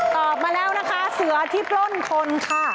มาแล้วนะคะเสือที่ปล้นคนค่ะ